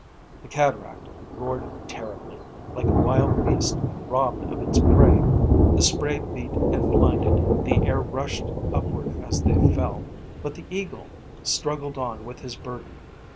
The cataract roared terribly, like a wild beast robbed of its prey. The spray beat and blinded, the air rushed upward as they fell. But the eagle struggled on with his burden.